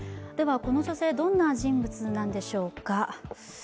この女性どんな人物なんでしょうか。